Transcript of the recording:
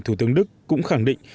thủ tướng đức cũng khẳng định